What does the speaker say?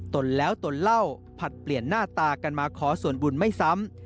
นแล้วตนเล่าผลัดเปลี่ยนหน้าตากันมาขอส่วนบุญไม่ซ้ำ